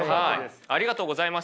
ありがとうございます。